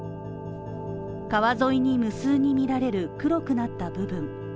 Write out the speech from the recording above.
川沿いに無数に見られる黒くなった部分。